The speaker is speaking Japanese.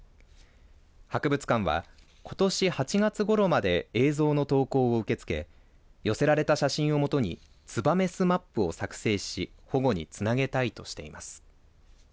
博物館はことし８月ごろまで映像の投稿を受け付け寄せられた写真をもとにつばめ巣マップを作成し保護につなげたいとしています。